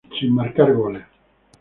Sin marcar goles.